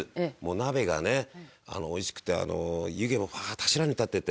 鍋がねおいしくて湯気もふあって柱も立ってて。